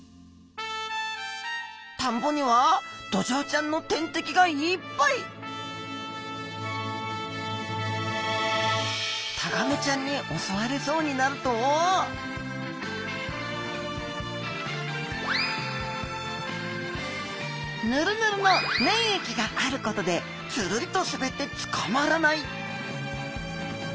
田んぼにはドジョウちゃんの天敵がいっぱいタガメちゃんに襲われそうになるとぬるぬるの粘液があることでつるりと滑って捕まらない！